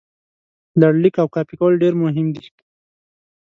لړلیک او کاپي کول ډېر مهم دي.